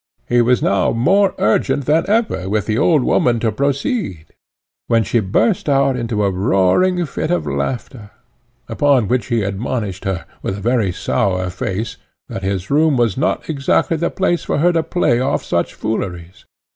He was now more urgent than ever with the old woman to proceed, when she burst out into a roaring fit of laughter; upon which he admonished her, with a very sour face, that his room was not exactly the place for her to play off such fooleries.